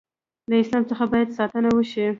له اسلام څخه باید ساتنه وشي.